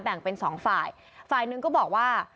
แบ่งเป็นสองฝ่ายฝ่ายหนึ่งก็บอกว่า